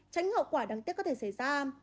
tránh hậu quả đáng tiếc có thể xảy ra